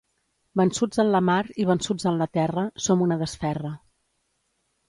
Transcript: Vençuts en la mar i vençuts en la terra, som una desferra.